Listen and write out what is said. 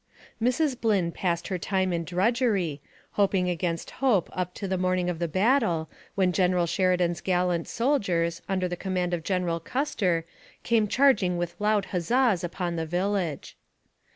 Mrs. Blynn passed her time in drudgery, hoping against hope up to the morning of the battle, when General Sheridan's gallant soldiers, under the com mand of General Ouster, came charging with loud huzzahs upon the village.